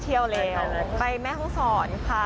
เข้าแล้วไปแม่ท่องสอนค่ะ